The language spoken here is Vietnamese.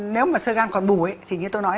nếu mà sơ gan còn bù thì như tôi nói